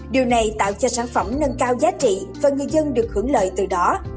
điều này tạo cho sản phẩm nâng cao giá trị và người dân được hưởng lợi từ đó